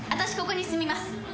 ここに住みます！